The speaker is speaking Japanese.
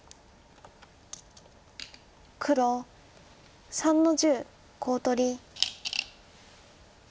黒３の十コウ取り。